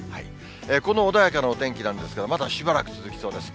この穏やかなお天気なんですが、まだしばらく続きそうです。